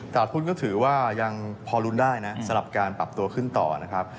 ทุนก็ถือว่ายังพอลุ้นได้นะสำหรับการปรับตัวขึ้นต่อนะครับ